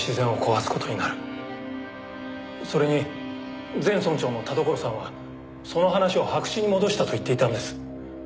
それに前村長の田所さんはその話を白紙に戻したと言っていたんです。